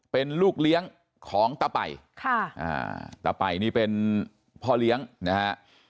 เป็นลูกเลี้ยงของตะไปค่ะอ่าตะไปนี่เป็นพ่อเลี้ยงนะฮะ